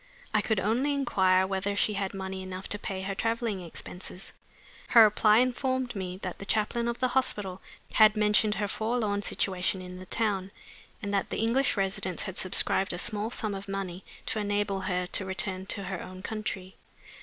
I could only inquire whether she had money enough to pay her traveling expenses. Her reply informed me that the chaplain of the hospital had mentioned her forlorn situation in the town, and that the English residents had subscribed a small sum of money to enable her to return to her own country.